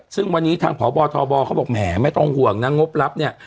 ซึ่งวันนี้ทางพบทบเขาบอกแหมไม่ต้องห่วงนะงบรับเนี่ย